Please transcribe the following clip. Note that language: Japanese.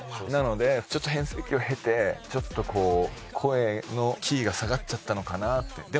なのでちょっと変声期を経てちょっとこう声のキーが下がっちゃったのかなって。